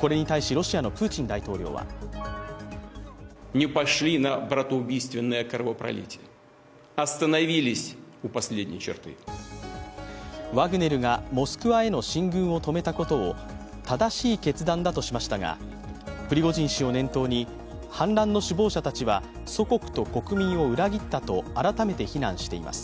これに対しロシアのプーチン大統領はワグネルがモスクワへの進軍を止めたことを正しい決断だとしましたが、プリゴジン氏を念頭に反乱の首謀者たちは、祖国と国民を裏切ったと改めて非難しています。